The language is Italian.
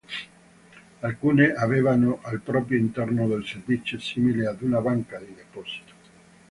Alcune avevano al proprio interno un servizio simile ad una banca di deposito.